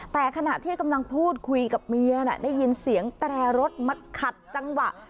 แต่ขณะที่กำลังพูดคุยกับเมียน่ะได้ยินเสียงแตรรถมาขัดจังหวะ